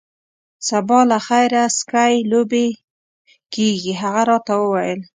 سبا له خیره سکی لوبې کیږي. هغه راته وویل.